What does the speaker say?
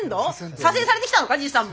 左遷されてきたのかじいさんも。